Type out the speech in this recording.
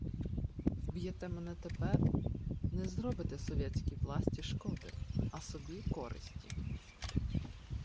Вб'єте мене тепер — не зробите совєтській власті шкоди, а собі користі.